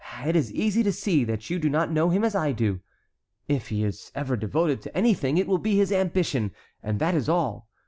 It is easy to see that you do not know him as I do. If he ever is devoted to anything it will be his ambition, and that is all.